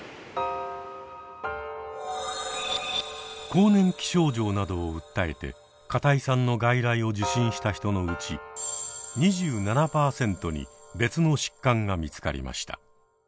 更年期症状などを訴えて片井さんの外来を受診した人のうち２７％に別の疾患が見つかりました。